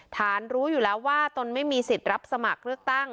ฐานรู้อยู่แล้วว่าตนไม่มีสิทธิ์รับสมัครเลือกตั้ง